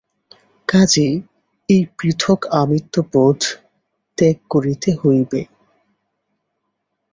কাজেই এই পৃথক আমিত্ব-বোধ ত্যাগ করিতে হইবে।